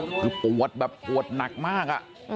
พี่น้องสาวเป็นคนปวดแบบปวดหนักมากอะ